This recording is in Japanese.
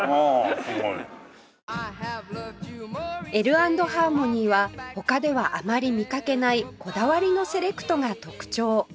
Ｌ＆ＨＡＲＭＯＮＹ は他ではあまり見かけないこだわりのセレクトが特徴